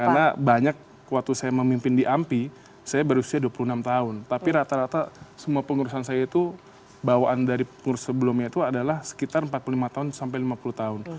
karena banyak waktu saya memimpin di ampi saya berusia dua puluh enam tahun tapi rata rata semua pengurusan saya itu bawaan dari pengurus sebelumnya itu adalah sekitar empat puluh lima lima puluh tahun